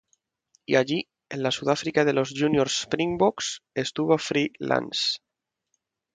Y allí, en la Sudáfrica de los Juniors Springboks, estuvo Free Lance.